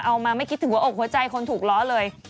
เอามาไม่คิดถึงหัวอกหัวใจคนถูกล้อเลย